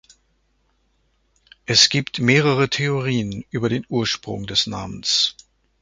Es gibt mehrere Theorien über den Ursprung des Namens.